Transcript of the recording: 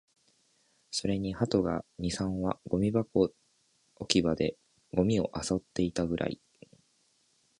それに鳩が二、三羽、ゴミ置き場でゴミを漁っていたくらい